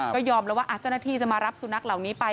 ก็ยอมแล้วว่าเจ้าหน้าที่จะมารับสุนัขเหล่านี้ไป